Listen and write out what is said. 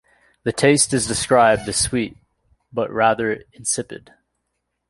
The taste is described as sweet but rather "insipid".